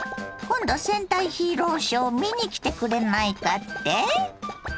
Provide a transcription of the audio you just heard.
今度戦隊ヒーローショー見に来てくれないかって？